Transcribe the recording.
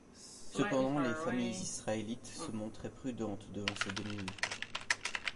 Cependant, les familles israélites se montraient prudentes devant ces demi-mesures.